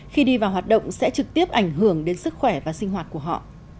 khi đi vào hoạt động sẽ trực tiếp ảnh hưởng đến sức khỏe và sinh hoạt của họ